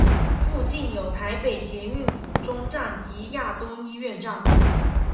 附近有台北捷运府中站及亚东医院站。